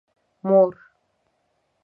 مور